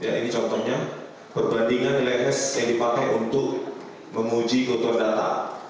ini contohnya perbandingan nilai hes yang dipakai untuk memuji keutuhan data